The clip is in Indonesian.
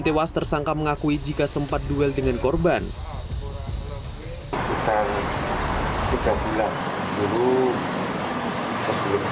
tewas tersangka mengakui jika sempat duel dengan korban hai kita juga bilang dulu sebelum sama